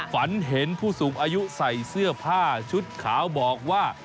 ฝันเห็นผู้สูงอายุใส่เสื้อผ้าชุดขาวบอกว่า